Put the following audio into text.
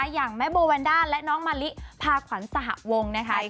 อย่างแม่โบวันด่าร์และน้องมะลิพาขวัลสหวง